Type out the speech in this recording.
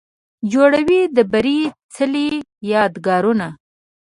جوړوي د بري څلې، یادګارونه